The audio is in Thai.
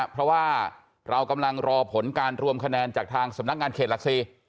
เพราะว่าเรากำลังรอผลการรวมคะแนนจากทางสำนักงานเขตหลัก๔